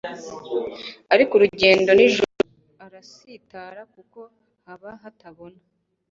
"Ariko ugenda nijoro arasitara, kuko haba hatabona."